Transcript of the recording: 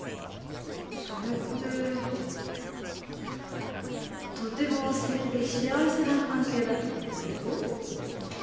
それってとてもすてきで幸せな関係だと思うけど。